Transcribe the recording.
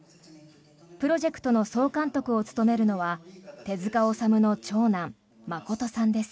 プロジェクトの総監督を務めるのは手塚治虫の長男・眞さんです。